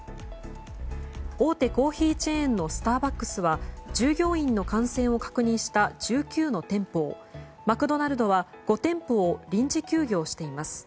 大手コーヒーチェーンのスターバックスは従業員の感染を確認した１９の店舗をマクドナルドは５店舗を臨時休業しています。